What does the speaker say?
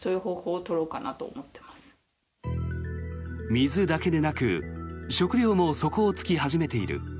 水だけでなく食料も底を突き始めている。